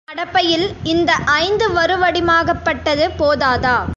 கடப்பையில் இந்த ஐந்து வருவடிமாகப்பட்டது போதாதா?